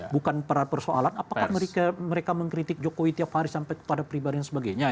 bukan persoalan apakah mereka mengkritik jokowi tiap hari sampai kepada pribadi dan sebagainya